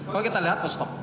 kalau kita lihat terus stop